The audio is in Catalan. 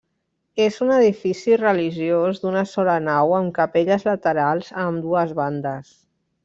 És un edifici religiós d'una sola nau amb capelles laterals a ambdues bandes.